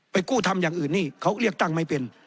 กู้ทำอย่างอื่นนี่เขาเลือกตั้งไม่เป็น